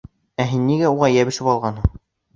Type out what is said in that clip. Ә һин ниңә уға йәбешеп алғанһың?